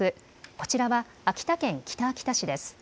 こちらは秋田県北秋田市です。